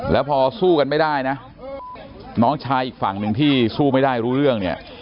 แล้วพอสู้กันไม่ได้นะน้องชายอีกฝั่งหนึ่งที่สู้ไม่ได้รู้เรื่องเนี่ย